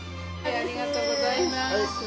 ありがとうございます。